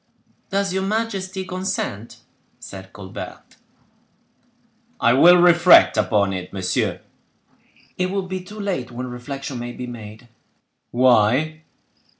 "Does your majesty consent?" said Colbert. "I will reflect upon it, monsieur." "It will be too late when reflection may be made." "Why?"